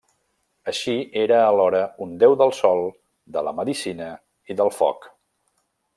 Així, era alhora un déu del sol, de la medicina i del foc.